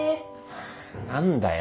何だよ。